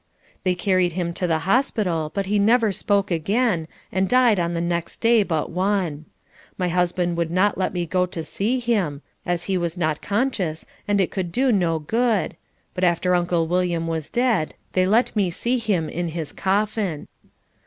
They carried him to the hospital, but he never spoke again, and died on the next day but one. My husband would not let me go to see him, as he was not conscious and it could do no good, but after Uncle William was dead they let me see him in his coffin.